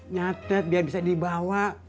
nyatet biar bisa dibawa